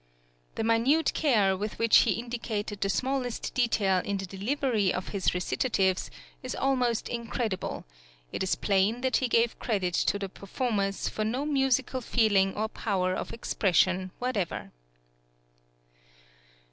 The minute care with which he indicated the smallest detail in the delivery of his recitatives is almost incredible; it is plain that he gave credit to the performers for no musical feeling or power of expression whatever.